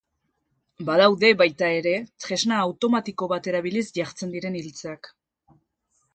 Badaude, baita ere, tresna automatiko bat erabiliz jartzen diren iltzeak.